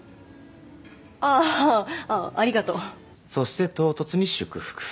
ああーあっありがとうそして唐突に祝福